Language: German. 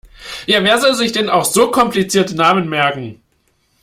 Ja, wer soll sich auch so komplizierte Namen merken!